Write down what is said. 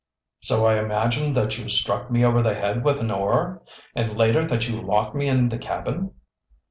"So I imagined that you struck me over the head with an oar? And later that you locked me in the cabin?"